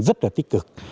rất là tích cực